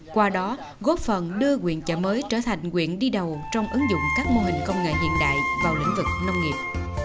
qua đó góp phần đưa quyền chợ mới trở thành quyền đi đầu trong ứng dụng các mô hình công nghệ hiện đại vào lĩnh vực nông nghiệp